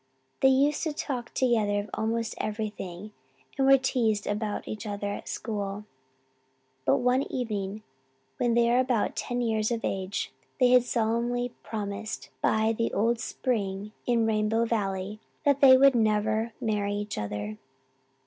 They used to talk together of almost everything and were teased about each other at school; but one evening when they were about ten years of age they had solemnly promised, by the old spring in Rainbow Valley, that they would never marry each other.